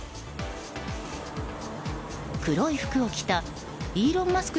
黒い服を着たイーロン・マスク